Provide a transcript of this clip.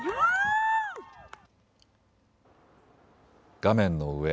画面の上。